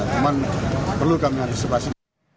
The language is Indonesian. cuman perlu kami harus sepasi